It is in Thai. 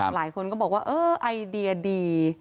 หลายคนก็บอกว่าเออไอเดียดี